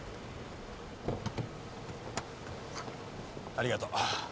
ありがとう。